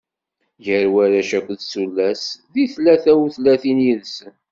Gar warrac akked tullas, di tlata utlatin yid-sen.